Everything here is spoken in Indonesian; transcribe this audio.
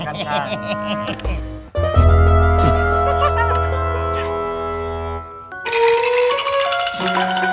jadi kita cukup saja clay